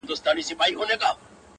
زما د ښار ځوان;